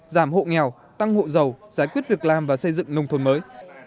giảm hộ nghèo tăng hộ giàu giải quyết việc làm và xây dựng nông thôn mới